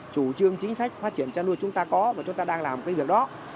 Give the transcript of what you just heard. chủ trương chính sách phát triển chăn nuôi chúng ta có và chúng ta đang làm cái việc đó